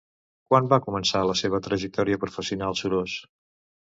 Quan va començar la seva trajectòria professional Surós?